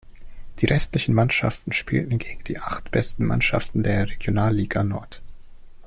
Die restlichen Mannschaften spielten gegen die acht besten Mannschaften der Regionalliga Nord.